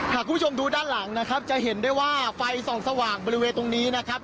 คุณผู้ชมดูด้านหลังนะครับจะเห็นได้ว่าไฟส่องสว่างบริเวณตรงนี้นะครับ